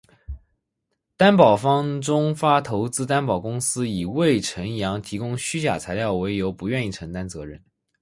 担保方中发投资担保公司以魏辰阳提供虚假材料为由不愿意承担责任。